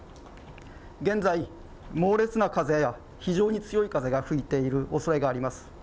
現在、猛烈な風や非常に強い風が吹いているおそれがあります。